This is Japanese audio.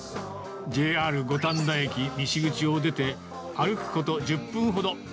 ＪＲ五反田駅西口を出て、歩くこと１０分ほど。